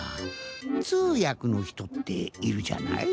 つうやくのひとっているじゃない？